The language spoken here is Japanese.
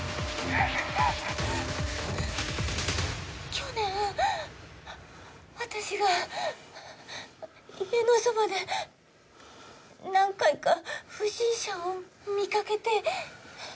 去年私が家のそばで何回か不審者を見かけて。